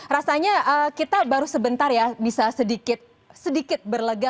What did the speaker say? rasanya kita baru sebentar ya bisa sedikit berlega